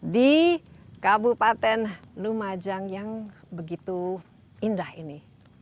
di kabupaten lumajang yang begitu indah ini